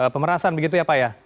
pemerasan begitu ya pak ya